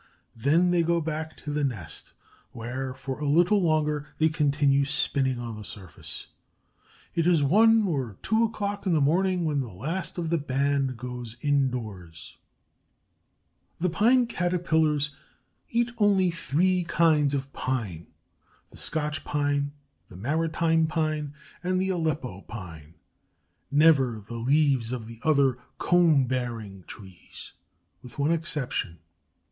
Then they go back to the nest, where, for a little longer, they continue spinning on the surface. It is one or two o'clock in the morning when the last of the band goes indoors. The Pine Caterpillars eat only three kinds of pine: the Scotch pine, the maritime pine, and the Aleppo pine; never the leaves of the other cone bearing trees, with one exception.